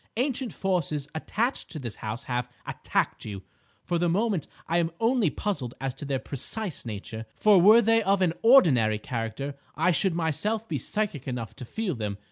Ancient forces attached to this house have attacked you. For the moment I am only puzzled as to their precise nature; for were they of an ordinary character, I should myself be psychic enough to feel them.